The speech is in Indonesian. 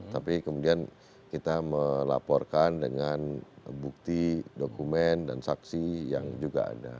tapi kemudian kita melaporkan dengan bukti dokumen dan saksi yang juga ada